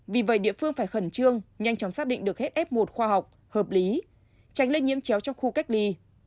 vì vậy địa phương phải khẩn trương nhanh chóng xác định được hết f một khoa học hợp lý tránh lây nhiễm chéo trong khu cách ly